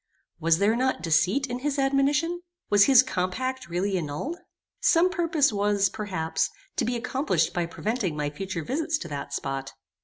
Was there not deceit in his admonition? Was his compact really annulled? Some purpose was, perhaps, to be accomplished by preventing my future visits to that spot.